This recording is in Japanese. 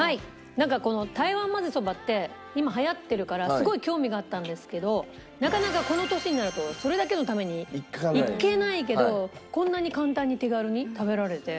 なんかこの台湾まぜそばって今流行ってるからすごい興味があったんですけどなかなかこの年になるとそれだけのために行けないけどこんなに簡単に手軽に食べられて。